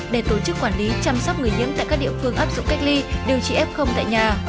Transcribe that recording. để tổ chức quản lý chăm sóc người nhiễm tại các địa phương áp dụng cách ly điều trị f tại nhà